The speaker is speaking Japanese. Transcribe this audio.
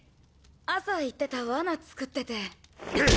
朝言ってたワナ作ってて